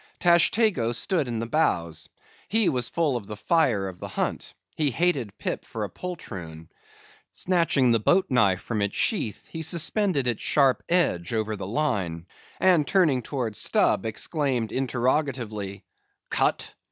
Tashtego stood in the bows. He was full of the fire of the hunt. He hated Pip for a poltroon. Snatching the boat knife from its sheath, he suspended its sharp edge over the line, and turning towards Stubb, exclaimed interrogatively, "Cut?"